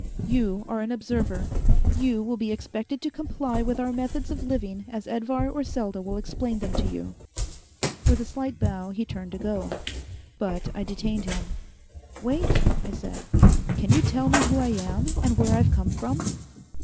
You are an observer. You will be expected to comply with our methods of living as Edvar or Selda will explain them to you." With a slight bow, he turned to go. But I detained him. "Wait," I said. "Can you tell me who I am, and where I've come from?"